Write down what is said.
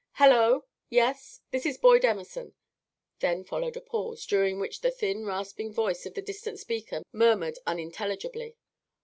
"Hello! Yes! This is Boyd Emerson." Then followed a pause, during which the thin, rasping voice of the distant speaker murmured unintelligibly.